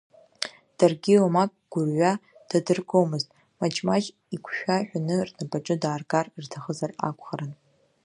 Даргьы омак гәырҩа дадыргомызт, маҷ-маҷ игәшәа ҳәаны рнапаҿы дааргар рҭахызар акәхарын.